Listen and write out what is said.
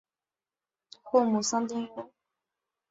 后母丧丁忧。